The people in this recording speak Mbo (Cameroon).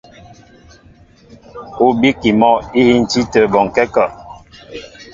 Ú bíkí mɔ́ íhíntí tə̂ bɔnkɛ́ a kɔ.